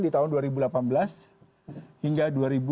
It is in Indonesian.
di tahun dua ribu delapan belas hingga dua ribu delapan belas